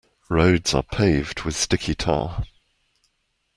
Roads are paved with sticky tar.